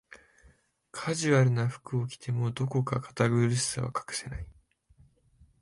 カジュアルな服を着ても、どこか堅苦しさは隠せない